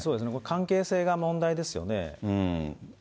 関係性が問題ですよね。